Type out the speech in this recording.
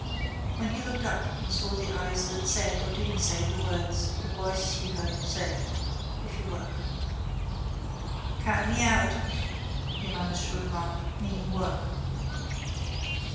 Then he looked up and saw the eyes that said or didn't say the words the voice he heard said, if you work. —Count me out, he managed to remark, meaning work.